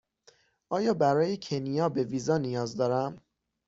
آیا برای کنیا به ویزا نیاز دارم؟